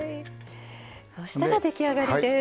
そうしたら出来上がりです。